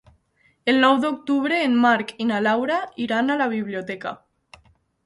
El nou d'octubre en Marc i na Laura iran a la biblioteca.